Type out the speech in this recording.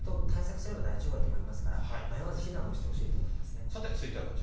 対策すれば大丈夫だと思いますから迷わず避難してほしいと思います。